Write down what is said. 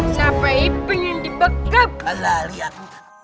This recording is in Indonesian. sampai pengen dibekap halal lihat